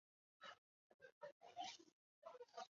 建德四年灭北齐。